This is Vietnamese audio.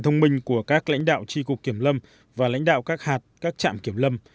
thông minh của các lãnh đạo tri cục kiểm lâm và lãnh đạo các hạt các trạm kiểm lâm